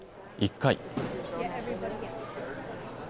１回。